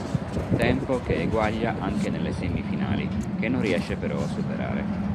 Tempo che eguaglia anche nelle semifinali, che non riesce però a superare.